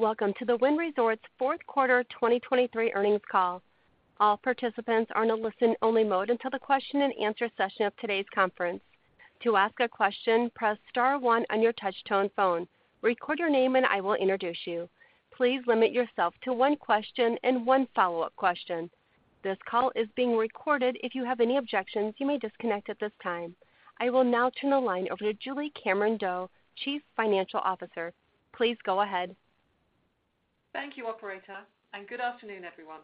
Welcome to the Wynn Resorts fourth quarter 2023 earnings call. All participants are in a listen-only mode until the question-and-answer session of today's conference. To ask a question, press star one on your touch-tone phone, record your name, and I will introduce you. Please limit yourself to one question and one follow-up question. This call is being recorded. If you have any objections, you may disconnect at this time. I will now turn the line over to Julie Cameron-Doe, Chief Financial Officer. Please go ahead. Thank you, operator, and good afternoon, everyone.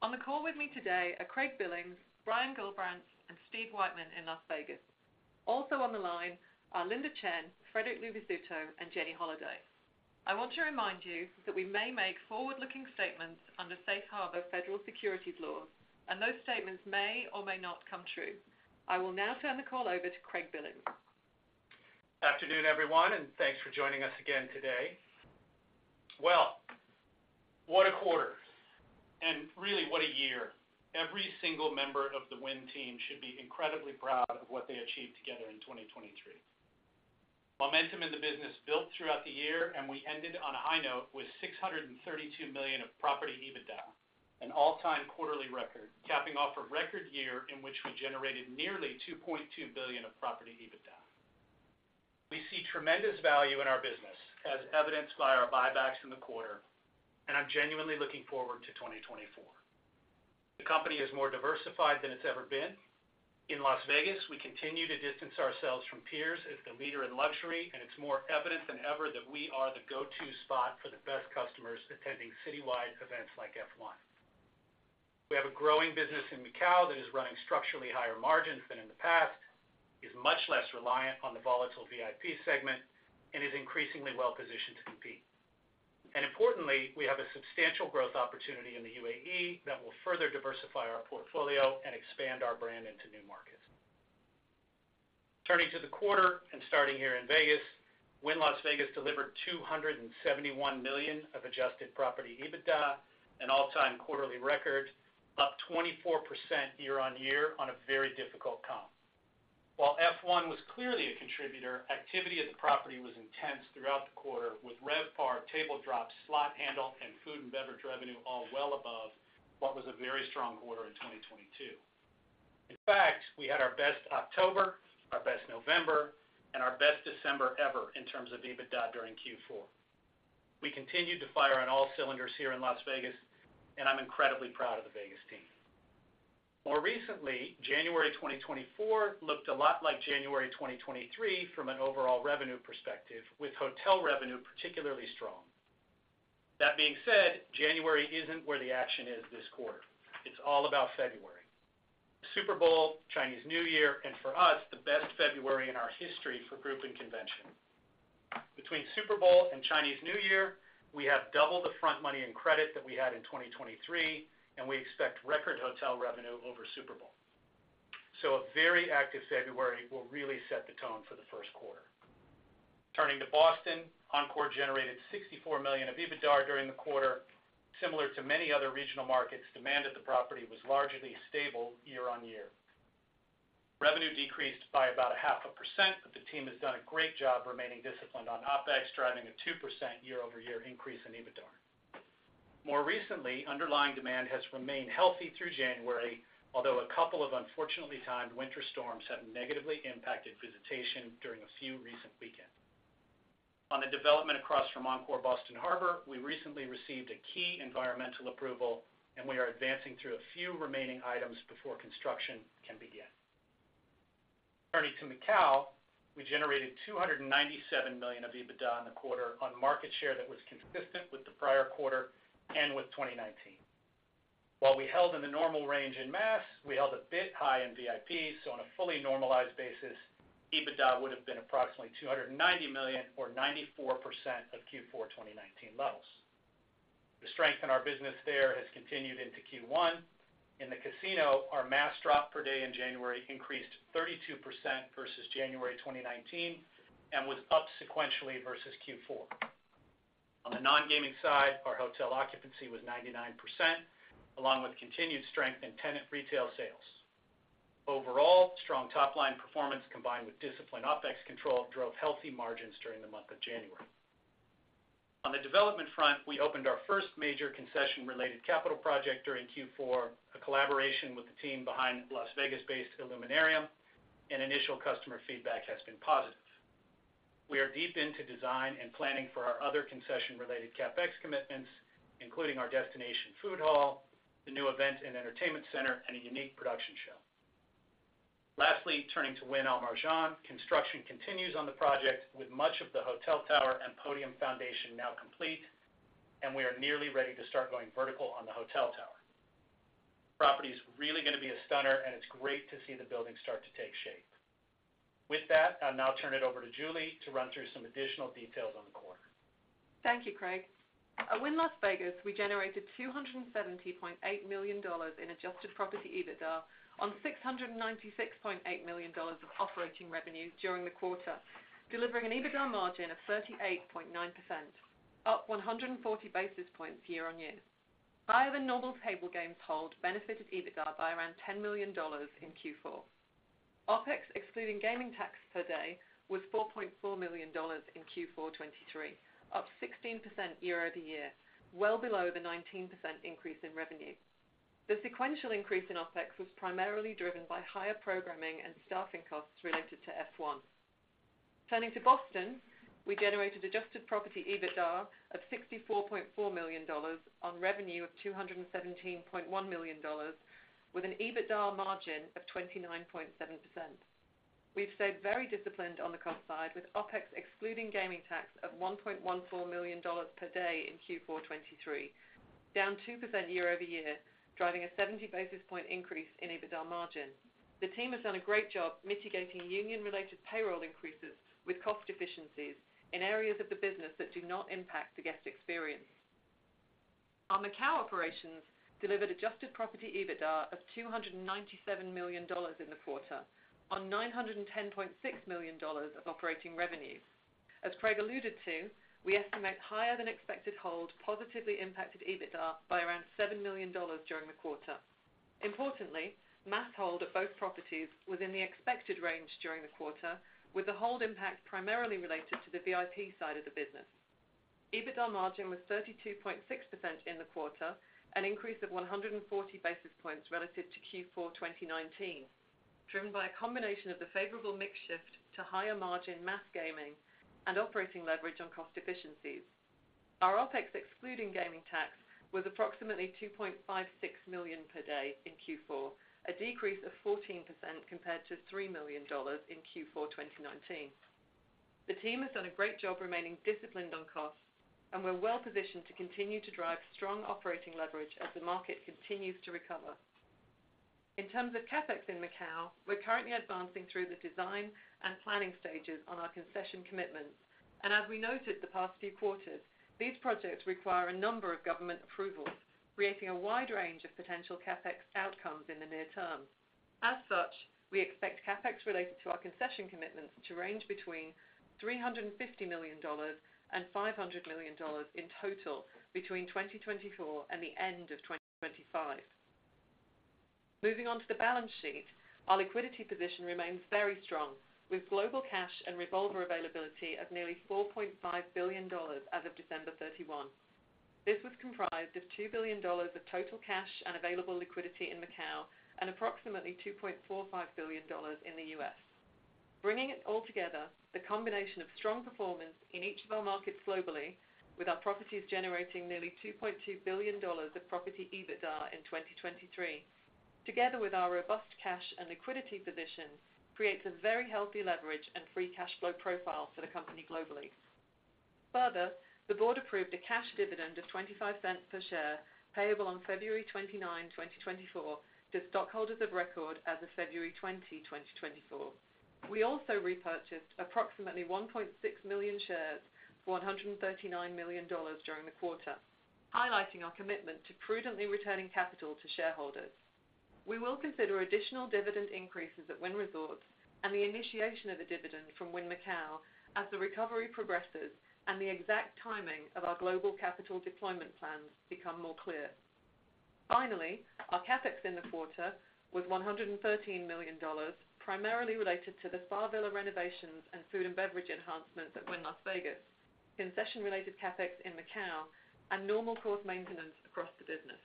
On the call with me today are Craig Billings, Brian Gullbrants, and Steve Weitman in Las Vegas. Also on the line are Linda Chen, Frederic Luvisutto, and Jenny Holaday. I want to remind you that we may make forward-looking statements under safe harbor federal securities laws, and those statements may or may not come true. I will now turn the call over to Craig Billings. Afternoon, everyone, and thanks for joining us again today. Well, what a quarter, and really, what a year! Every single member of the Wynn team should be incredibly proud of what they achieved together in 2023. Momentum in the business built throughout the year, and we ended on a high note with $632 million of property EBITDA, an all-time quarterly record, capping off a record year in which we generated nearly $2.2 billion of property EBITDA. We see tremendous value in our business, as evidenced by our buybacks in the quarter, and I'm genuinely looking forward to 2024. The company is more diversified than it's ever been. In Las Vegas, we continue to distance ourselves from peers as the leader in luxury, and it's more evident than ever that we are the go-to spot for the best customers attending citywide events like F1. We have a growing business in Macau that is running structurally higher margins than in the past, is much less reliant on the volatile VIP segment, and is increasingly well-positioned to compete. Importantly, we have a substantial growth opportunity in the UAE that will further diversify our portfolio and expand our brand into new markets. Turning to the quarter and starting here in Vegas, Wynn Las Vegas delivered $271 million of adjusted property EBITDA, an all-time quarterly record, up 24% year-on-year on a very difficult comp. While F1 was clearly a contributor, activity at the property was intense throughout the quarter, with RevPAR, table drops, slot handle, and food and beverage revenue all well above what was a very strong quarter in 2022. In fact, we had our best October, our best November, and our best December ever in terms of EBITDA during Q4. We continued to fire on all cylinders here in Las Vegas, and I'm incredibly proud of the Vegas team. More recently, January 2024 looked a lot like January 2023 from an overall revenue perspective, with hotel revenue particularly strong. That being said, January isn't where the action is this quarter. It's all about February. Super Bowl, Chinese New Year, and for us, the best February in our history for group and convention. Between Super Bowl and Chinese New Year, we have double the front money and credit that we had in 2023, and we expect record hotel revenue over Super Bowl. So a very active February will really set the tone for the first quarter. Turning to Boston, Encore generated $64 million of EBITDA during the quarter. Similar to many other regional markets, demand at the property was largely stable year-on-year. Revenue decreased by about 0.5%, but the team has done a great job remaining disciplined on OpEx, driving a 2% year-over-year increase in EBITDA. More recently, underlying demand has remained healthy through January, although a couple of unfortunately timed winter storms have negatively impacted visitation during a few recent weekends. On the development across from Encore Boston Harbor, we recently received a key environmental approval, and we are advancing through a few remaining items before construction can begin. Turning to Macau, we generated $297 million of EBITDA in the quarter on market share that was consistent with the prior quarter and with 2019. While we held in the normal range in mass, we held a bit high in VIP, so on a fully normalized basis, EBITDA would have been approximately $290 million or 94% of Q4 2019 levels. The strength in our business there has continued into Q1. In the casino, our mass drop per day in January increased 32% versus January 2019 and was up sequentially versus Q4. On the non-gaming side, our hotel occupancy was 99%, along with continued strength in tenant retail sales. Overall, strong top-line performance combined with disciplined OpEx control drove healthy margins during the month of January. On the development front, we opened our first major concession-related capital project during Q4, a collaboration with the team behind Las Vegas-based Illuminarium, and initial customer feedback has been positive. We are deep into design and planning for our other concession-related CapEx commitments, including our destination food hall, the new event and entertainment center, and a unique production show. Lastly, turning to Wynn Al Marjan, construction continues on the project, with much of the hotel tower and podium foundation now complete, and we are nearly ready to start going vertical on the hotel tower. Property is really going to be a stunner, and it's great to see the building start to take shape. With that, I'll now turn it over to Julie to run through some additional details on the quarter. Thank you, Craig. At Wynn Las Vegas, we generated $270.8 million in adjusted property EBITDA on $696.8 million of operating revenue during the quarter, delivering an EBITDA margin of 38.9%, up 140 basis points year-on-year. Higher-than-normal table games hold benefited EBITDA by around $10 million in Q4. OpEx, excluding gaming tax per day, was $4.4 million in Q4 2023, up 16% year-over-year, well below the 19% increase in revenue. The sequential increase in OpEx was primarily driven by higher programming and staffing costs related to F1. Turning to Boston, we generated adjusted property EBITDA of $64.4 million on revenue of $217.1 million, with an EBITDA margin of 29.7%. We've stayed very disciplined on the cost side, with OPEX excluding gaming tax of $1.14 million per day in Q4 2023, down 2% year-over-year, driving a 70 basis point increase in EBITDA margin. The team has done a great job mitigating union-related payroll increases with cost efficiencies in areas of the business that do not impact the guest experience. Our Macau operations delivered adjusted property EBITDA of $297 million in the quarter on $910.6 million of operating revenue. As Craig alluded to, we estimate higher than expected hold positively impacted EBITDA by around $7 million during the quarter. Importantly, mass hold at both properties was in the expected range during the quarter, with the hold impact primarily related to the VIP side of the business. EBITDA margin was 32.6% in the quarter, an increase of 140 basis points relative to Q4 2019, driven by a combination of the favorable mix shift to higher margin mass gaming and operating leverage on cost efficiencies. Our OpEx, excluding gaming tax, was approximately $2.56 million per day in Q4, a decrease of 14% compared to $3 million in Q4 2019. The team has done a great job remaining disciplined on costs, and we're well positioned to continue to drive strong operating leverage as the market continues to recover. In terms of CapEx in Macau, we're currently advancing through the design and planning stages on our concession commitments. as we noted the past few quarters, these projects require a number of government approvals, creating a wide range of potential CapEx outcomes in the near term. As such, we expect CapEx related to our concession commitments to range between $350 million and $500 million in total between 2024 and the end of 2025. Moving on to the balance sheet, our liquidity position remains very strong, with global cash and revolver availability of nearly $4.5 billion as of December 31. This was comprised of $2 billion of total cash and available liquidity in Macau, and approximately $2.45 billion in the US. Bringing it all together, the combination of strong performance in each of our markets globally, with our properties generating nearly $2.2 billion of property EBITDA in 2023, together with our robust cash and liquidity positions, creates a very healthy leverage and free cash flow profile for the company globally. Further, the board approved a cash dividend of $0.25 per share, payable on February 29, 2024, to stockholders of record as of February 20, 2024. We also repurchased approximately 1.6 million shares for $139 million during the quarter, highlighting our commitment to prudently returning capital to shareholders. We will consider additional dividend increases at Wynn Resorts and the initiation of a dividend from Wynn Macau as the recovery progresses and the exact timing of our global capital deployment plans become more clear. Finally, our CapEx in the quarter was $113 million, primarily related to the Spa Villa renovations and food and beverage enhancements at Wynn Las Vegas, concession-related CapEx in Macau, and normal course maintenance across the business.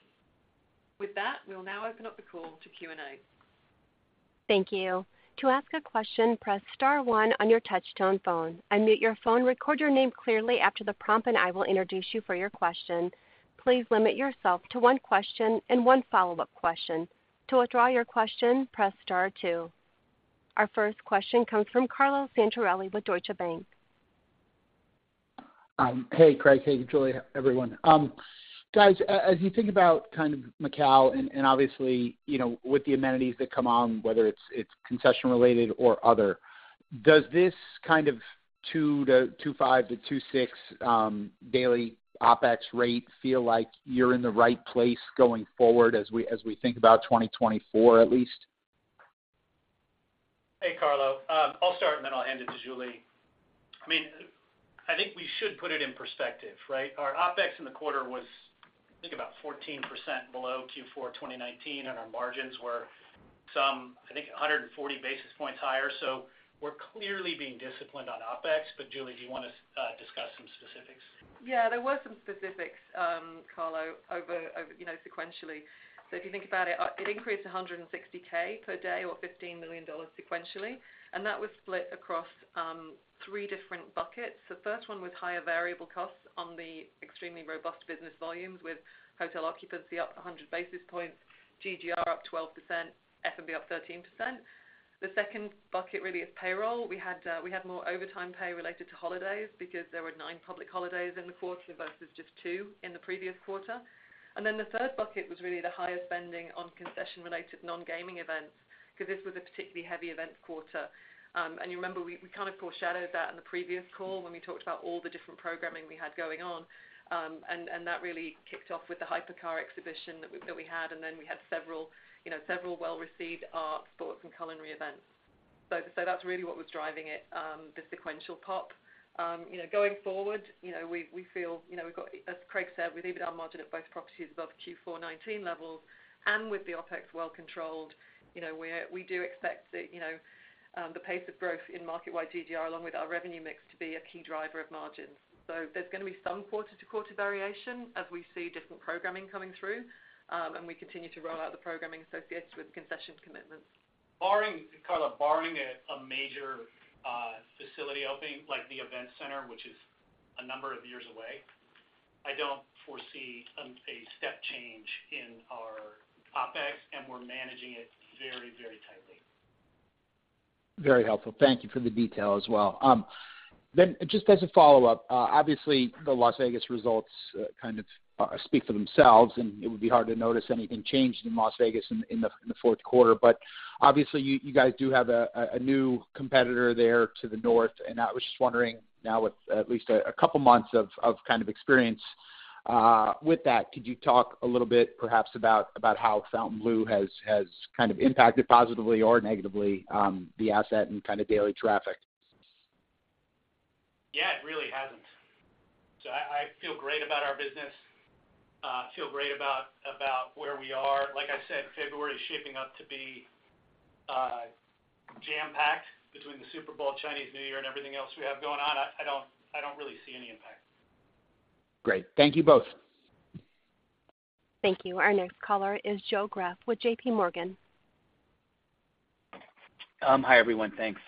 With that, we'll now open up the call to Q&A. Thank you. To ask a question, press star one on your touchtone phone. Unmute your phone, record your name clearly after the prompt, and I will introduce you for your question. Please limit yourself to one question and one follow-up question. To withdraw your question, press star two. Our first question comes from Carlo Santarelli with Deutsche Bank. Hey, Craig. Hey, Julie, everyone. Guys, as you think about kind of Macau and obviously, you know, with the amenities that come on, whether it's concession-related or other, does this kind of 2 to 2.5 to 2.6 daily OpEx rate feel like you're in the right place going forward as we think about 2024, at least? Hey, Carlo, I'll start, and then I'll hand it to Julie. I mean, I think we should put it in perspective, right? Our OpEx in the quarter was, I think, about 14% below Q4 2019, and our margins were some, I think, 140 basis points higher. So we're clearly being disciplined on OpEx. But Julie, do you want to discuss some specifics? Yeah, there were some specifics, Carlo, over you know, sequentially. So if you think about it, it increased 160K per day, or $15 million sequentially, and that was split across three different buckets. The first one was higher variable costs on the extremely robust business volumes, with hotel occupancy up 100 basis points, GGR up 12%, F&B up 13%. The second bucket really is payroll. We had more overtime pay related to holidays because there were 9 public holidays in the quarter versus just 2 in the previous quarter. And then the third bucket was really the higher spending on concession-related non-gaming events, because this was a particularly heavy event quarter. You remember, we kind of foreshadowed that in the previous call when we talked about all the different programming we had going on. And that really kicked off with the Hypercar exhibition that we had, and then we had several, you know, well-received art, sports, and culinary events. So that's really what was driving it, the sequential pop. You know, going forward, you know, we feel, you know, we've got, as Craig said, with EBITDA margin at both properties above Q4 2019 levels. With the OpEx well controlled, you know, we, we do expect that, you know, the pace of growth in market-wide GGR, along with our revenue mix, to be a key driver of margins. So there's going to be some quarter-to-quarter variation as we see different programming coming through, and we continue to roll out the programming associated with concession commitments. Barring a major facility opening, like the event center, which is a number of years away, I don't foresee a step change in our OpEx, and we're managing it very, very tightly. Very helpful. Thank you for the detail as well. Then just as a follow-up, obviously, the Las Vegas results kind of speak for themselves, and it would be hard to notice anything changed in Las Vegas in the fourth quarter. But obviously, you guys do have a new competitor there to the north, and I was just wondering, now with at least a couple months of kind of experience with that, could you talk a little bit perhaps about how Fontainebleau has kind of impacted positively or negatively the asset and kind of daily traffic? Yeah, it really hasn't. So I feel great about our business, feel great about where we are. Like I said, February is shaping up to be jam-packed between the Super Bowl, Chinese New Year, and everything else we have going on. I don't really see any impact. Great. Thank you both. Thank you. Our next caller is Joe Greff with JPMorgan. Hi, everyone. Thanks.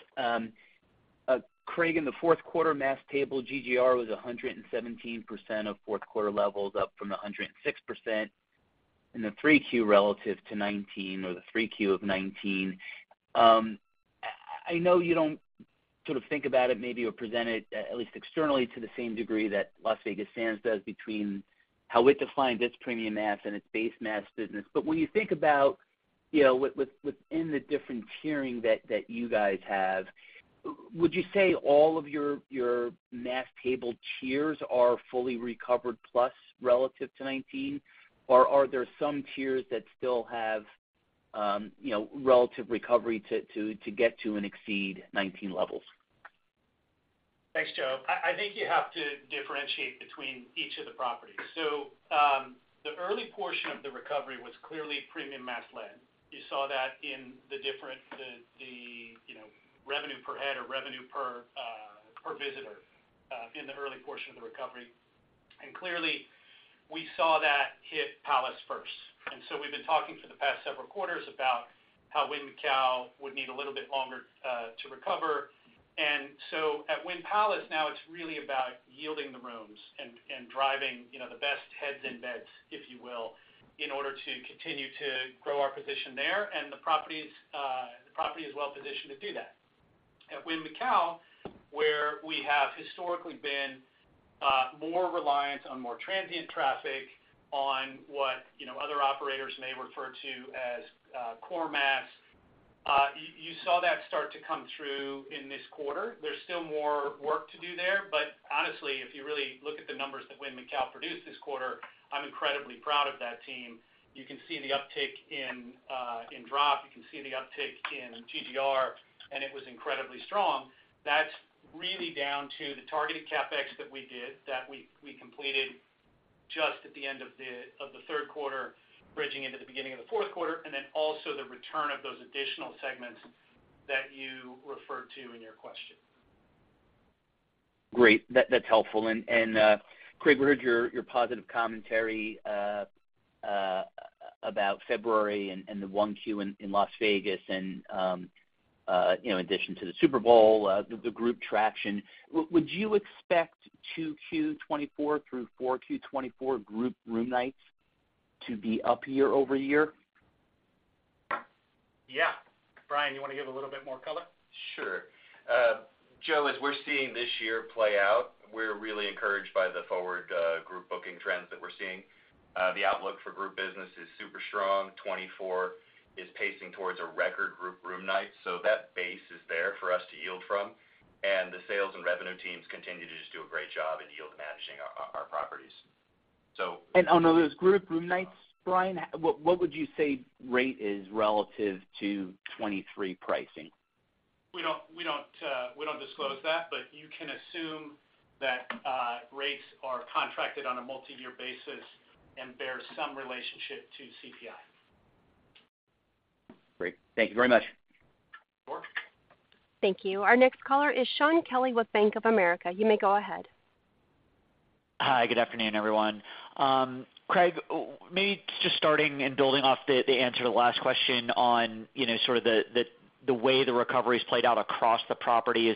Craig, in the fourth quarter, mass table GGR was 117% of fourth quarter levels, up from 106% in the 3Q relative to 2019 or the 3Q of 2019. I know you don't sort of think about it maybe, or present it, at least externally, to the same degree that Las Vegas Sands does between how it defined its premium mass and its base mass business. But when you think about, you know, within the different tiering that you guys have, would you say all of your, your mass table tiers are fully recovered plus relative to 2019? Or are there some tiers that still have, you know, relative recovery to get to and exceed 2019 levels? Thanks, Joe. I think you have to differentiate between each of the properties. So, the early portion of the recovery was clearly premium mass led. You saw that in the difference, you know, revenue per head or revenue per visitor in the early portion of the recovery. And clearly, we saw that hit Palace first. And so we've been talking for the past several quarters about how Wynn Macau would need a little bit longer to recover. And so at Wynn Palace now, it's really about yielding the rooms and driving, you know, the best heads in beds, if you will, in order to continue to grow our position there, and the property is well positioned to do that. At Wynn Macau, where we have historically been more reliant on more transient traffic, on what, you know, other operators may refer to as core mass, you saw that start to come through in this quarter. There's still more work to do there, but honestly, if you really look at the numbers that Wynn Macau produced this quarter, I'm incredibly proud of that team. You can see the uptick in drop, you can see the uptick in GGR, and it was incredibly strong. That's really down to the targeted CapEx that we did, that we completed just at the end of the third quarter, bridging into the beginning of the fourth quarter, and then also the return of those additional segments that you referred to in your question. Great. That, that's helpful. And, Craig, we heard your positive commentary about February and the 1Q in Las Vegas and, you know, in addition to the Super Bowl, the group traction. Would you expect 2Q 2024 through 4Q 2024 group room nights to be up year-over-year? Yeah. Brian, you want to give a little bit more color? Sure. Joe, as we're seeing this year play out, we're really encouraged by the forward group booking trends that we're seeing. The outlook for group business is super strong. 2024 is pacing towards a record group room night, so that base is there for us to yield from, and the sales and revenue teams continue to just do a great job in yield managing our properties. So- On those group room nights, Brian, what, what would you say rate is relative to 2023 pricing? We don't disclose that, but you can assume that rates are contracted on a multi-year basis and bear some relationship to CPI. Great. Thank you very much. Sure. Thank you. Our next caller is Shaun Kelley with Bank of America. You may go ahead. Hi, good afternoon, everyone. Craig, maybe just starting and building off the answer to the last question on, you know, sort of the way the recovery's played out across the properties.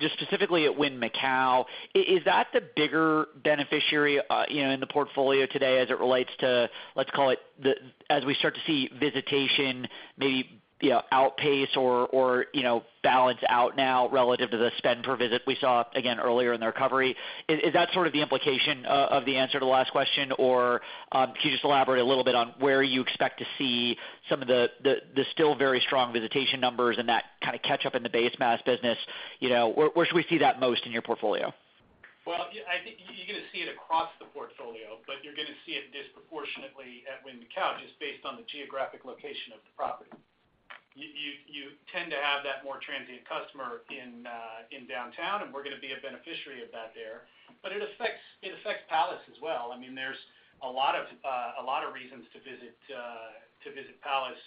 Just specifically at Wynn Macau, is that the bigger beneficiary, you know, in the portfolio today as it relates to, let's call it, the... As we start to see visitation maybe, you know, outpace or, or, you know, balance out now relative to the spend per visit we saw again earlier in the recovery, is that sort of the implication of the answer to the last question? Or, can you just elaborate a little bit on where you expect to see some of the still very strong visitation numbers and that kind of catch up in the base mass business? You know, where should we see that most in your portfolio? Well, I think you're going to see it across the portfolio, but you're going to see it disproportionately at Wynn Macau, just based on the geographic location of the property. You tend to have that more transient customer in downtown, and we're gonna be a beneficiary of that there. But it affects Palace as well. I mean, there's a lot of reasons to visit Palace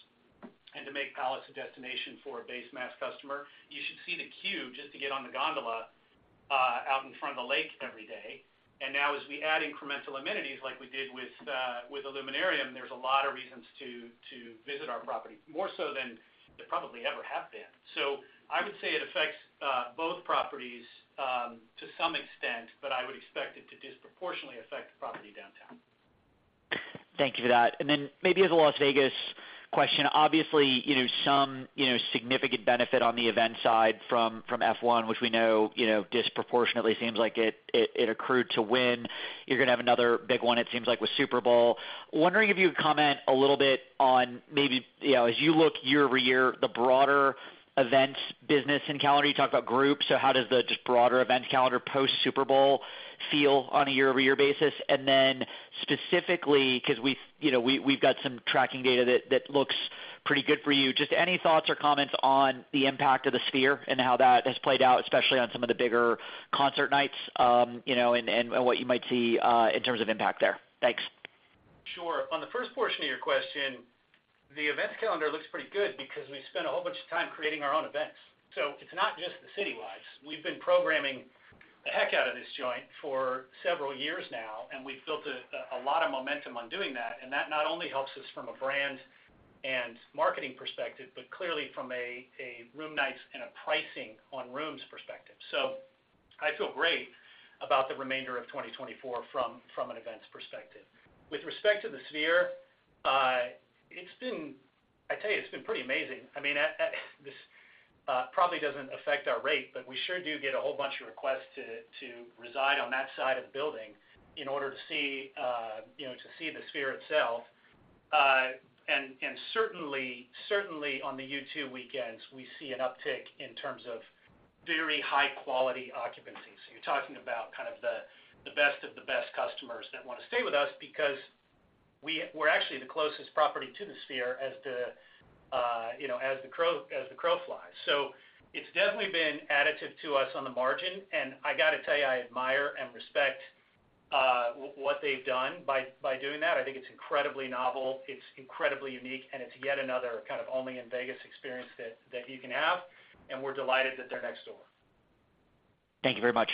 and to make Palace a destination for a base mass customer. You should see the queue just to get on the gondola out in front of the lake every day. And now as we add incremental amenities like we did with Illuminarium, there's a lot of reasons to visit our property, more so than there probably ever have been. So I would say it affects both properties to some extent, but I would expect it to disproportionately affect the property downtown. Thank you for that. And then maybe as a Las Vegas question, obviously, you know, some, you know, significant benefit on the event side from F1, which we know, you know, disproportionately seems like it accrued to Wynn. You're gonna have another big one, it seems like, with Super Bowl. Wondering if you would comment a little bit on maybe, you know, as you look year-over-year, the broader events business in calendar. You talked about groups, so how does the just broader event calendar post-Super Bowl feel on a year-over-year basis? And then specifically, because we, you know, we've got some tracking data that looks pretty good for you. Just any thoughts or comments on the impact of the Sphere and how that has played out, especially on some of the bigger concert nights, you know, and what you might see in terms of impact there? Thanks. Sure. On the first portion of your question, the events calendar looks pretty good because we spent a whole bunch of time creating our own events. So it's not just the citywides. We've been programming the heck out of this joint for several years now, and we've built a lot of momentum on doing that, and that not only helps us from a brand and marketing perspective, but clearly from a room nights and a pricing on rooms perspective. So I feel great about the remainder of 2024 from an events perspective. With respect to the Sphere, it's been—I tell you, it's been pretty amazing. I mean, this probably doesn't affect our rate, but we sure do get a whole bunch of requests to reside on that side of the building in order to see, you know, to see the Sphere itself. And certainly on the U2 weekends, we see an uptick in terms of very high-quality occupancy. So you're talking about kind of the best of the best customers that wanna stay with us because we're actually the closest property to the Sphere as the, you know, as the crow flies. So it's definitely been additive to us on the margin, and I got to tell you, I admire and respect what they've done by doing that. I think it's incredibly novel, it's incredibly unique, and it's yet another kind of only in Vegas experience that, that you can have, and we're delighted that they're next door. Thank you very much.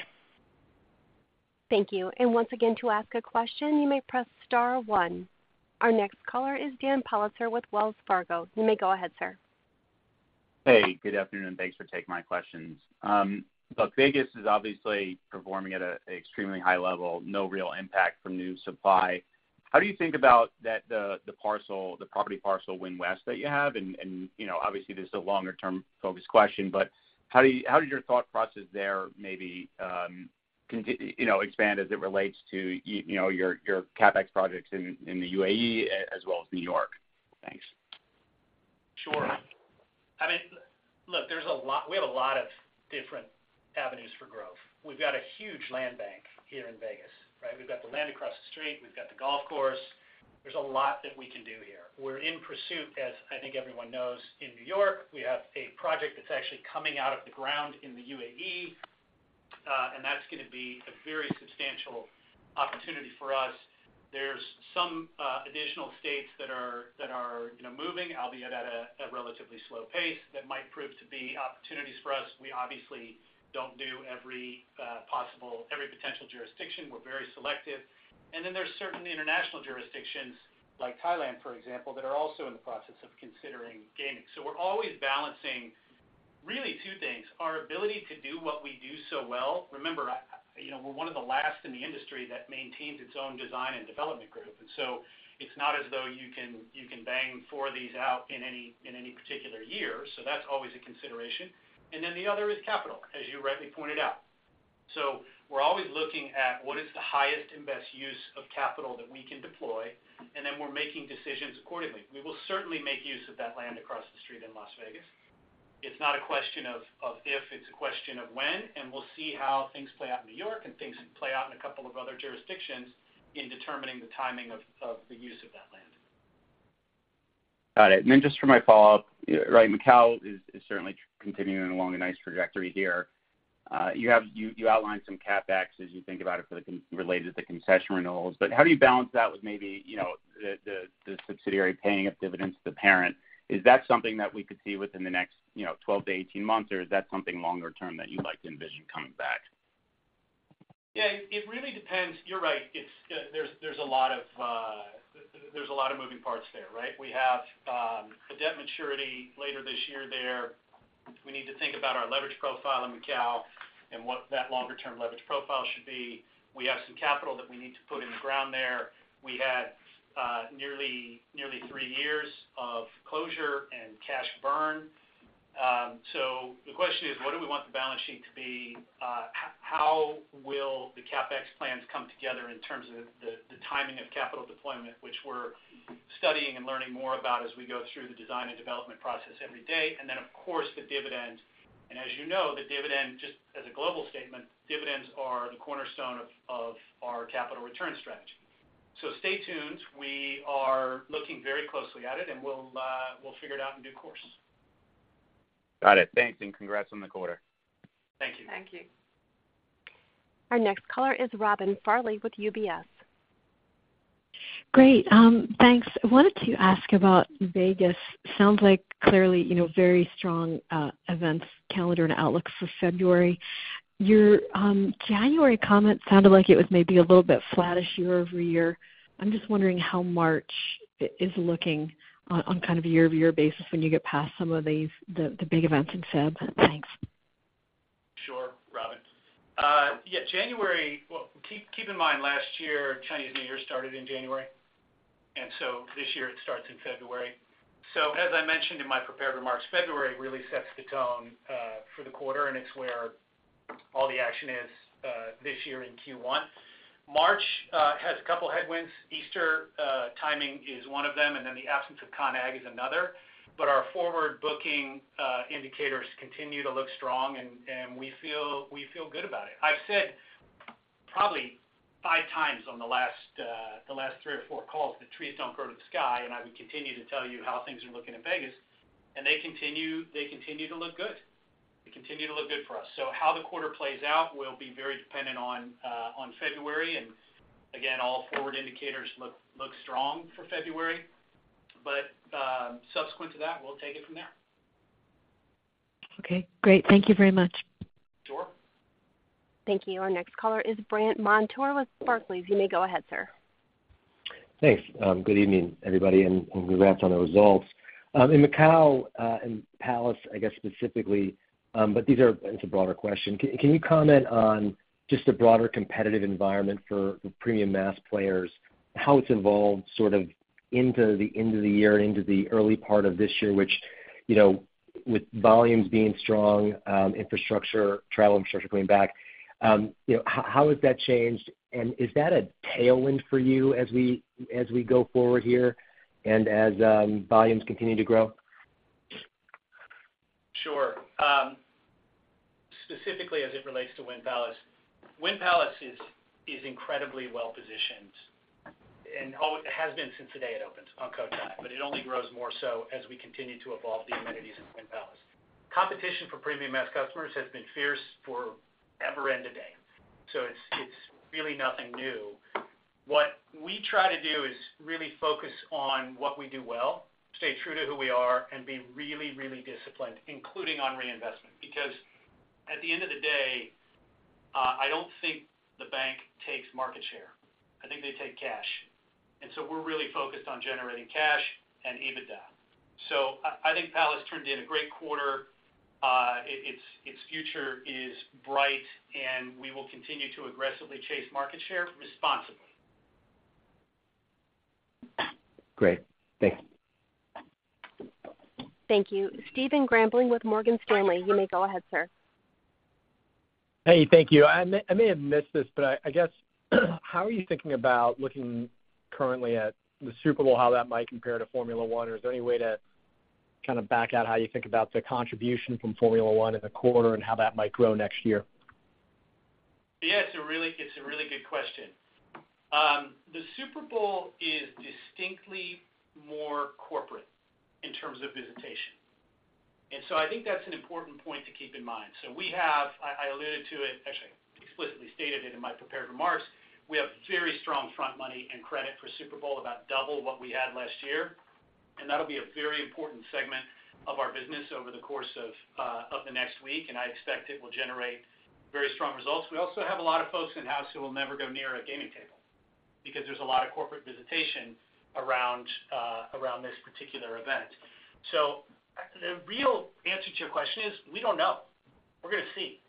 Thank you. And once again, to ask a question, you may press star one. Our next caller is Dan Politzer with Wells Fargo. You may go ahead, sir. Hey, good afternoon. Thanks for taking my questions. Look, Vegas is obviously performing at an extremely high level, no real impact from new supply. How do you think about that, the parcel, the property parcel Wynn West that you have? And, you know, obviously, this is a longer term focused question, but how did your thought process there maybe, you know, expand as it relates to you know, your, your CapEx projects in, in the UAE, as well as New York? Thanks. Sure. I mean, look, there's a lot. We have a lot of different avenues for growth. We've got a huge land bank here in Vegas, right? We've got the land across the street, we've got the golf course. There's a lot that we can do here. We're in pursuit, as I think everyone knows, in New York. We have a project that's actually coming out of the ground in the UAE, and that's gonna be a very substantial opportunity for us. There's some additional states that are, you know, moving, albeit at a relatively slow pace, that might prove to be opportunities for us. We obviously don't do every possible, every potential jurisdiction. We're very selective. And then there are certain international jurisdictions, like Thailand, for example, that are also in the process of considering gaming. We're always balancing really two things, our ability to do what we do so well. Remember, you know, we're one of the last in the industry that maintains its own design and development group, and so it's not as though you can, you can bang four of these out in any, in any particular year. So that's always a consideration. And then the other is capital, as you rightly pointed out. So we're always looking at what is the highest and best use of capital that we can deploy, and then we're making decisions accordingly. We will certainly make use of that land across the street in Las Vegas. It's not a question of if, it's a question of when, and we'll see how things play out in New York and things play out in a couple of other jurisdictions in determining the timing of the use of that land. Got it. And then just for my follow-up, right, Macau is certainly continuing along a nice trajectory here. You outlined some CapEx as you think about it for the concession related to the concession renewals, but how do you balance that with maybe, you know, the subsidiary paying up dividends to the parent? Is that something that we could see within the next, you know, 12-18 months, or is that something longer term that you'd like to envision coming back? Yeah, it really depends. You're right. It's... There's a lot of moving parts there, right? We have a debt maturity later this year there. We need to think about our leverage profile in Macau and what that longer-term leverage profile should be. We have some capital that we need to put in the ground there. We had nearly three years of closure and cash burn. So the question is: What do we want the balance sheet to be? How will the CapEx plans come together in terms of the timing of capital deployment, which we're studying and learning more about as we go through the design and development process every day. Then, of course, the dividend... And as you know, the dividend, just as a global statement, dividends are the cornerstone of our capital return strategy. So stay tuned. We are looking very closely at it, and we'll figure it out in due course. Got it. Thanks, and congrats on the quarter. Thank you. Thank you. Our next caller is Robin Farley with UBS. Great, thanks. I wanted to ask about Vegas. Sounds like clearly, you know, very strong events calendar and outlook for February. Your January comment sounded like it was maybe a little bit flattish year-over-year. I'm just wondering how March is looking on kind of a year-over-year basis when you get past some of these, the big events in Feb. Thanks. Sure, Robin. Yeah, January—well, keep, keep in mind, last year, Chinese New Year started in January, and so this year it starts in February. So as I mentioned in my prepared remarks, February really sets the tone, for the quarter, and it's where all the action is, this year in Q1. March has a couple headwinds. Easter timing is one of them, and then the absence of CON/AGG is another. But our forward booking indicators continue to look strong, and, and we feel, we feel good about it. I've said probably five times on the last, the last three or four calls, the trees don't grow to the sky, and I would continue to tell you how things are looking in Vegas, and they continue, they continue to look good. They continue to look good for us. So how the quarter plays out will be very dependent on February, and again, all forward indicators look strong for February, but subsequent to that, we'll take it from there. Okay, great. Thank you very much. Sure. Thank you. Our next caller is Brant Montour with Barclays. You may go ahead, sir. Thanks. Good evening, everybody, and, and congrats on the results. In Macau, and Palace, I guess, specifically, but it's a broader question. Can, can you comment on just the broader competitive environment for the premium mass players, how it's evolved sort of into the end of the year and into the early part of this year, which, you know, with volumes being strong, infrastructure, travel infrastructure coming back, you know, how, how has that changed? And is that a tailwind for you as we, as we go forward here and as, volumes continue to grow? Sure. Specifically as it relates to Wynn Palace, Wynn Palace is, is incredibly well-positioned, and it has been since the day it opened on Cotai, but it only grows more so as we continue to evolve the amenities in Wynn Palace. Competition for premium mass customers has been fierce for ever and today, so it's, it's really nothing new. What we try to do is really focus on what we do well, stay true to who we are, and be really, really disciplined, including on reinvestment, because at the end of the day, I don't think the bank takes market share. I think they take cash. And so we're really focused on generating cash and EBITDA. So I, I think Palace turned in a great quarter. Its future is bright, and we will continue to aggressively chase market share responsibly. Great. Thanks. Thank you. Stephen Grambling with Morgan Stanley. You may go ahead, sir. Hey, thank you. I may have missed this, but I guess, how are you thinking about looking currently at the Super Bowl, how that might compare to Formula 1? Or is there any way to kind of back out how you think about the contribution from Formula 1 in the quarter and how that might grow next year? Yes, it's a really, it's a really good question. The Super Bowl is distinctly more corporate in terms of visitation. And so I think that's an important point to keep in mind. So we have, I alluded to it, actually, explicitly stated it in my prepared remarks, we have very strong front money and credit for Super Bowl, about double what we had last year, and that'll be a very important segment of our business over the course of, of the next week, and I expect it will generate very strong results. We also have a lot of folks in-house who will never go near a gaming table because there's a lot of corporate visitation around, around this particular event. So the real answer to your question is, we don't know. We're gonna see.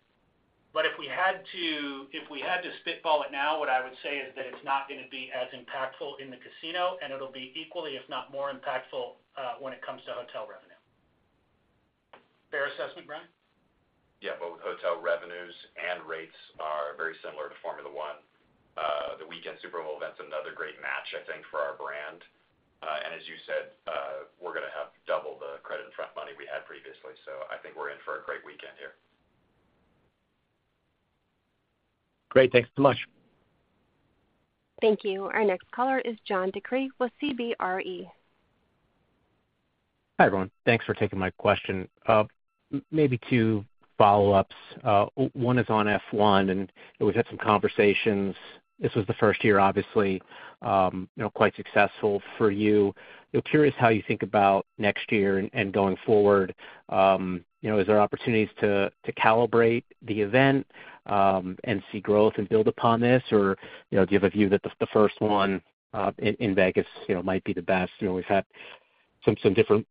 But if we had to, if we had to spitball it now, what I would say is that it's not gonna be as impactful in the casino, and it'll be equally, if not more impactful, when it comes to hotel revenue. Fair assessment, Brian? Yeah, both hotel revenues and rates are very similar to Formula 1. The weekend Super Bowl event's another great match, I think, for our brand. And as you said, we're gonna have double the credit and front money we had previously, so I think we're in for a great weekend here. Great. Thanks so much. Thank you. Our next caller is John DeCree with CBRE. Hi, everyone. Thanks for taking my question. Maybe two follow-ups. One is on F1, and we've had some conversations. This was the first year, obviously, you know, quite successful for you. I'm curious how you think about next year and going forward. You know, is there opportunities to calibrate the event and see growth and build upon this? Or, you know, do you have a view that the first one in Vegas might be the best? You know, we've had some different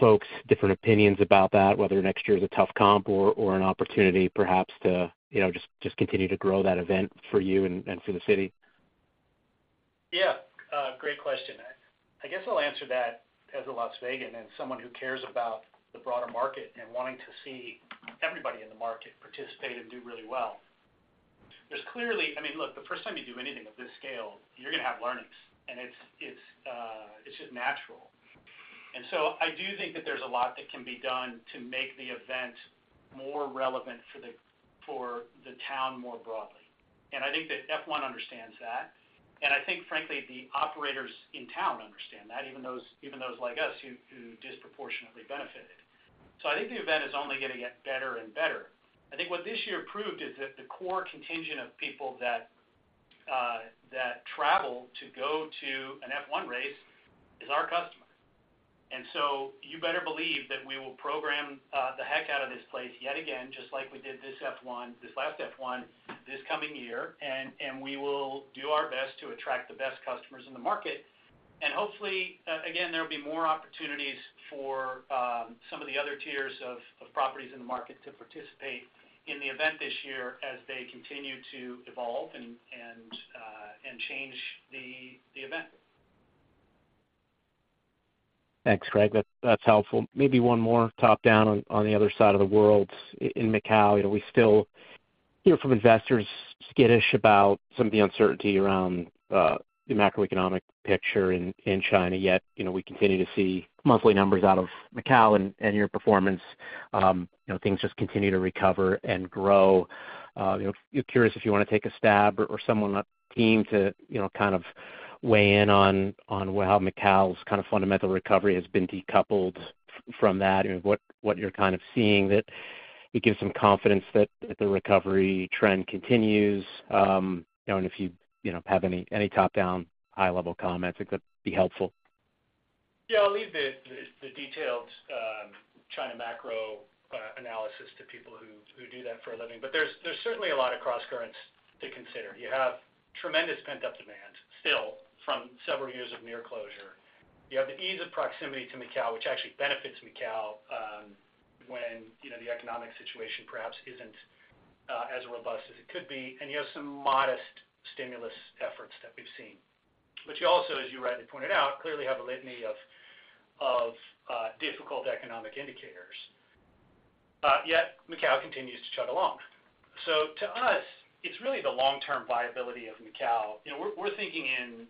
folks, different opinions about that, whether next year is a tough comp or an opportunity perhaps to just continue to grow that event for you and for the city. Yeah, great question. I guess I'll answer that as a Las Vegan and someone who cares about the broader market and wanting to see everybody in the market participate and do really well. There's clearly, I mean, look, the first time you do anything of this scale, you're gonna have learnings, and it's just natural. And so I do think that there's a lot that can be done to make the event more relevant for the town more broadly. I think that F1 understands that. And I think, frankly, the operators in town understand that, even those like us, who disproportionately benefited. So I think the event is only gonna get better and better. I think what this year proved is that the core contingent of people that travel to go to an F1 race is our customer. So you better believe that we will program the heck out of this place yet again, just like we did this F1, this last F1, this coming year, and we will do our best to attract the best customers in the market. And hopefully, again, there will be more opportunities for some of the other tiers of properties in the market to participate in the event this year as they continue to evolve and change the event. Thanks, Greg. That's helpful. Maybe one more top down on the other side of the world, in Macau. You know, we still hear from investors skittish about some of the uncertainty around the macroeconomic picture in China. Yet, you know, we continue to see monthly numbers out of Macau and your performance. You know, things just continue to recover and grow. You know, curious if you wanna take a stab or someone on the team to kind of weigh in on how Macau's kind of fundamental recovery has been decoupled from that, and what you're kind of seeing that it gives some confidence that the recovery trend continues. You know, and if you have any top-down, high-level comments, it could be helpful. Yeah, I'll leave the detailed China macro analysis to people who do that for a living. But there's certainly a lot of crosscurrents to consider. You have tremendous pent-up demand still from several years of near closure. You have the ease of proximity to Macau, which actually benefits Macau, when, you know, the economic situation perhaps isn't as robust as it could be, and you have some modest stimulus efforts that we've seen. But you also, as you rightly pointed out, clearly have a litany of difficult economic indicators. Yet Macau continues to chug along. So to us, it's really the long-term viability of Macau. You know, we're thinking in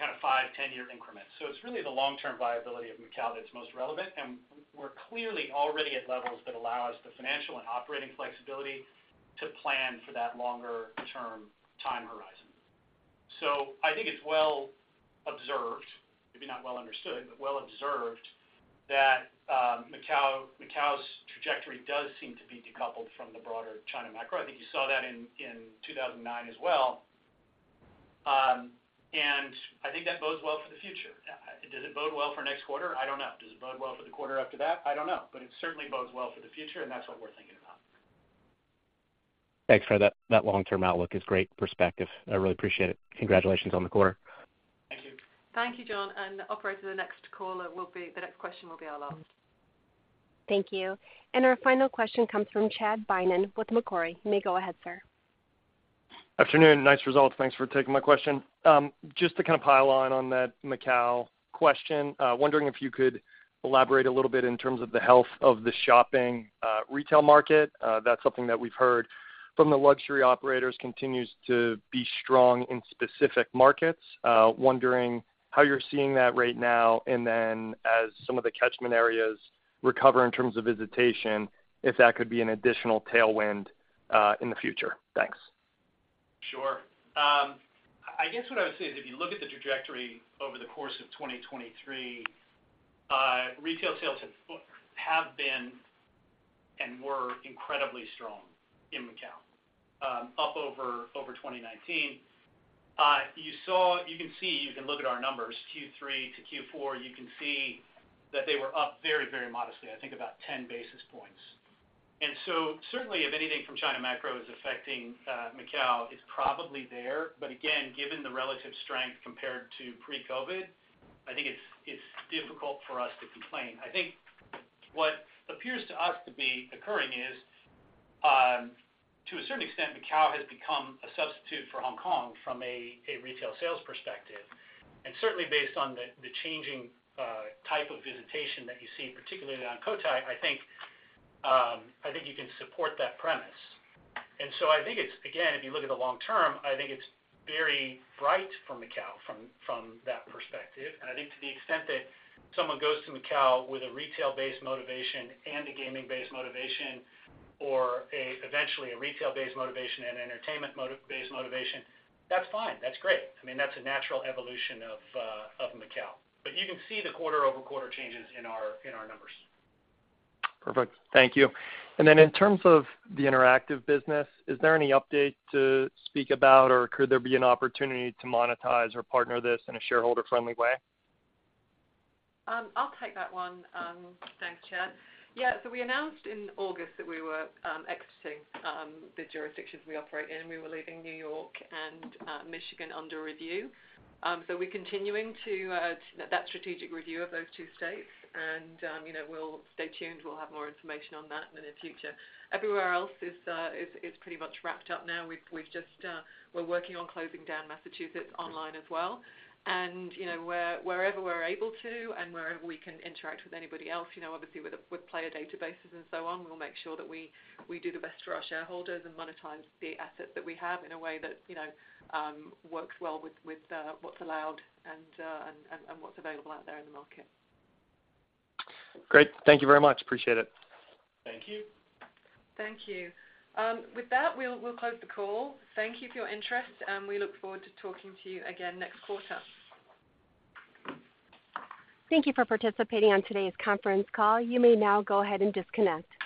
kind of five, 10-year increments. It's really the long-term viability of Macau that's most relevant, and we're clearly already at levels that allow us the financial and operating flexibility to plan for that longer-term time horizon. So I think it's well observed, maybe not well understood, but well observed, that, Macau, Macau's trajectory does seem to be decoupled from the broader China macro. I think you saw that in, in 2009 as well. And I think that bodes well for the future. Does it bode well for next quarter? I don't know. Does it bode well for the quarter after that? I don't know. But it certainly bodes well for the future, and that's what we're thinking about. Thanks for that. That long-term outlook is great perspective. I really appreciate it. Congratulations on the quarter. Thank you. Thank you, John. And operator, the next caller will be-- the next question will be our last. Thank you. And our final question comes from Chad Beynon with Macquarie. You may go ahead, sir. Afternoon. Nice results. Thanks for taking my question. Just to kind of pile on, on that Macau question, wondering if you could elaborate a little bit in terms of the health of the shopping, retail market. That's something that we've heard from the luxury operators, continues to be strong in specific markets. Wondering how you're seeing that right now, and then as some of the catchment areas recover in terms of visitation, if that could be an additional tailwind, in the future. Thanks. Sure. I guess what I would say is, if you look at the trajectory over the course of 2023, retail sales have, have been and were incredibly strong in Macau, up over, over 2019. You saw- you can see, you can look at our numbers, Q3 to Q4, you can see that they were up very, very modestly, I think about 10 basis points. And so certainly, if anything from China macro is affecting, Macau, it's probably there. But again, given the relative strength compared to pre-COVID, I think it's, it's difficult for us to complain. I think what appears to us to be occurring is, to a certain extent, Macau has become a substitute for Hong Kong from a, a retail sales perspective. Certainly based on the changing type of visitation that you see, particularly on Cotai, I think you can support that premise. And so I think it's, again, if you look at the long term, I think it's very bright for Macau from that perspective. And I think to the extent that someone goes to Macau with a retail-based motivation and a gaming-based motivation, or eventually, a retail-based motivation and entertainment based motivation, that's fine. That's great. I mean, that's a natural evolution of Macau. But you can see the quarter-over-quarter changes in our numbers. Perfect. Thank you. Then in terms of the interactive business, is there any update to speak about, or could there be an opportunity to monetize or partner this in a shareholder-friendly way? I'll take that one. Thanks, Chad. Yeah, so we announced in August that we were exiting the jurisdictions we operate in. We were leaving New York and Michigan under review. So we're continuing that strategic review of those two states, and, you know, we'll stay tuned. We'll have more information on that in the future. Everywhere else is pretty much wrapped up now. We're working on closing down Massachusetts online as well. Whenever we're able to and whenever we can interact with anybody else, you know, obviously, with player databases and so on, we'll make sure that we do the best for our shareholders and monetize the assets that we have in a way that, you know, works well with what's allowed and what's available out there in the market. Great. Thank you very much. Appreciate it. Thank you. Thank you. With that, we'll close the call. Thank you for your interest, and we look forward to talking to you again next quarter. Thank you for participating on today's conference call. You may now go ahead and disconnect.